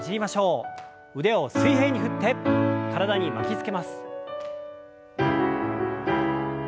腕を水平に振って体に巻きつけます。